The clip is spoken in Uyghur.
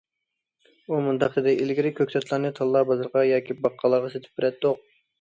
ئۇ مۇنداق دېدى: ئىلگىرى كۆكتاتلارنى تاللا بازىرىغا ياكى باققاللارغا سېتىپ بېرەتتۇق.